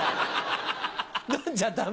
飲んじゃダメ！